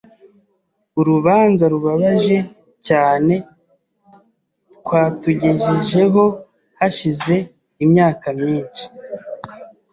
Urubanza rubabaje cyane twatugejejeho hashize imyaka myinshi.